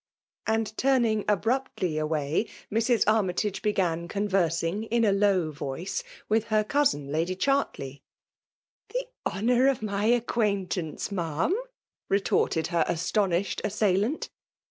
An^, burning abruptly away, Mrs. Armytage begai^ conversing in a low voice with her cousin X^dy Cbjartley. ^ ".'The honour of my acquaintance. Ma'am ?" •retorted her astonished assailant.